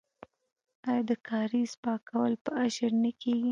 آیا د کاریز پاکول په اشر نه کیږي؟